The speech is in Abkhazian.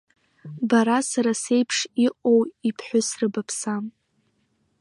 Бара сара сеиԥш иҟоу иԥҳәысра баԥсам…